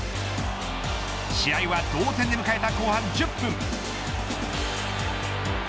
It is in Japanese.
試合は同点で迎えた後半１０分。